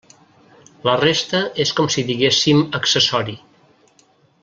La resta és com si diguéssim accessori.